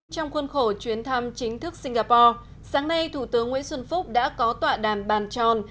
trong khuôn khổ chuyến thăm chính thức singapore sáng nay thủ tướng nguyễn xuân phúc đã có tọa đàm bàn tròn